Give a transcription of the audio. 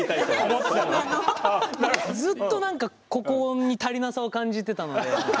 ずっと何かここに足りなさを感じてたので。